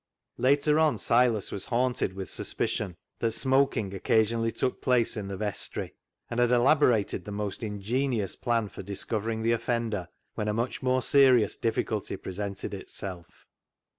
Later on Silas was haunted with suspicion that smoking occasionally took place in the 6:> CLOG SHOP CHRONICLES vestry, and had elaborated the most ingenious plan for discovering the offender when a much more serious difficulty presented itself.